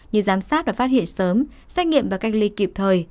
như giám sát và phát hiện sớm xét nghiệm và cách ly kịp thời